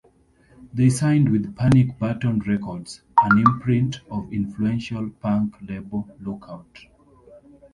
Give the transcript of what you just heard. They signed with Panic Button Records, an imprint of influential punk label Lookout!